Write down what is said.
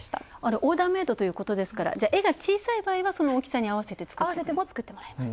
オーダーメイドということで、絵が小さい場合はその大きさに合わせても作ってもらえます。